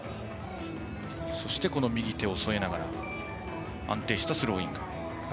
そして右手を添えながら安定したスローイング。